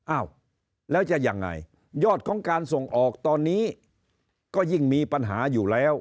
อ้าวแล้วจะยังไงยอดของการส่งออกตอนนี้ก็ยิ่งมีปัญหาอยู่แล้ว